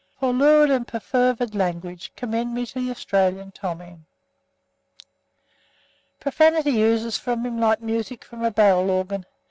For lurid and perfervid language commend me to the Australian Tommy. Profanity oozes from him like music from a barrel organ.